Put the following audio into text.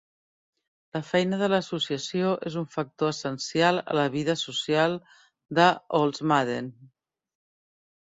La feina de l'associació és un factor essencial a la vida social de Holzmaden.